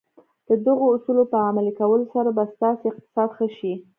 د دغو اصولو په عملي کولو سره به ستاسې اقتصاد ښه شي.